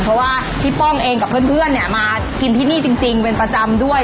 เพราะว่าพี่ป้องเองกับเพื่อนเนี่ยมากินที่นี่จริงเป็นประจำด้วย